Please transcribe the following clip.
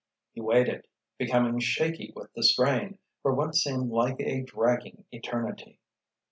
He waited, becoming shaky with the strain, for what seemed like a dragging eternity.